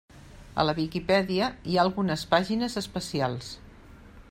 A la Viquipèdia hi ha algunes pàgines especials.